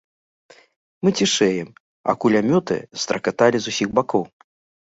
Мы цішэем, а кулямёты застракаталі з усіх бакоў.